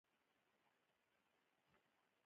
د قدر وړ کار یې کړی دی.